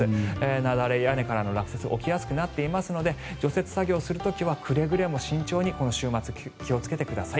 雪崩、屋根からの落雪起きやすくなっていますので除雪作業をする時はくれぐれも慎重にこの週末、気をつけてください。